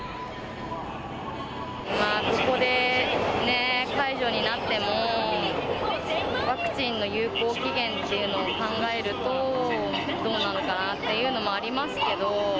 ここで解除になっても、ワクチンの有効期限っていうのを考えると、どうなのかなっていうのもありますけど。